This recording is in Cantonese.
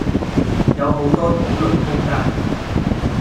有好多討論空間